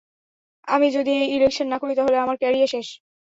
আমি যদি এই ইলেকশন না করি, তাহলে আমার ক্যারিয়ার শেষ।